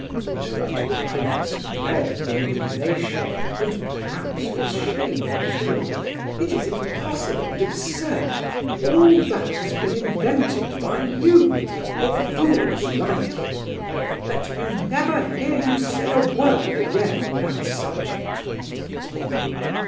interrupted the prince, red with indignation, and perhaps with shame, too. "It is impossible and absurd! All that has been invented by you, or fools like you! Let me never hear you say a word again on that subject!"